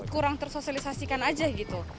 kurang tersosialisasikan aja gitu